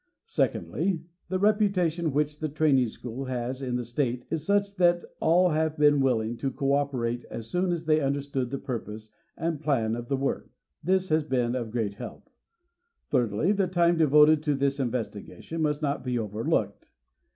Secondly, the reputation which the Training School has in the State is such that all have been willing to cooperate as soon as they understood the purpose and plan of the work. This has been of great help. Thirdly, the time devoted to this investigation must not be over looked.